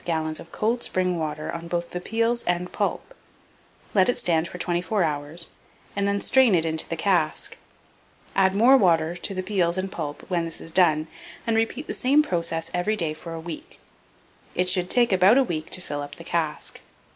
Then pour about 1 1/2 gallon of cold spring water on both the peels and pulp; let it stand for 24 hours, and then strain it into the cask; add more water to the peels and pulp when this is done, and repeat the same process every day for a week: it should take about a week to fill up the cask.